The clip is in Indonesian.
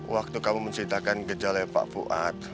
waktu kamu menceritakan gejala pak fuad